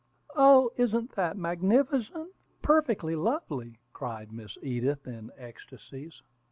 "Oh, isn't that magnificent! Perfectly lovely!" cried Miss Edith in ecstasies.